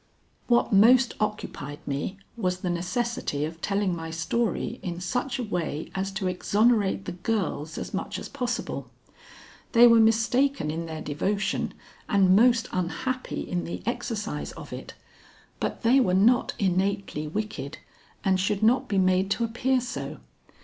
What most occupied me was the necessity of telling my story in such a way as to exonerate the girls as much as possible. They were mistaken in their devotion and most unhappy in the exercise of it, but they were not innately wicked and should not be made to appear so.